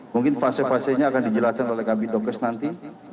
mungkin fase fasenya akan dijelaskan oleh kabit dokes nanti